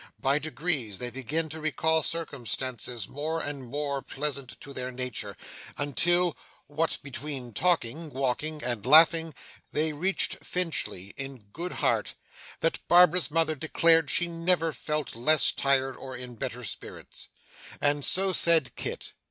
By degrees, they began to recall circumstances more and more pleasant in their nature, until, what between talking, walking, and laughing, they reached Finchley in such good heart, that Barbara's mother declared she never felt less tired or in better spirits. And so said Kit.